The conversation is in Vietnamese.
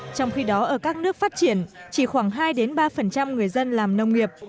trong khi đó ở các nước phát triển chỉ khoảng hai ba người dân làm nông nghiệp